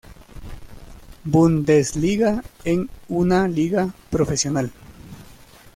Bundesliga en una liga profesional.